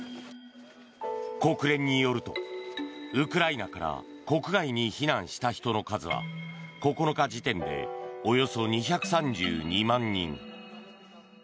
国連によるとウクライナから国外に避難した人の数は９日時点でおよそ２３２万人。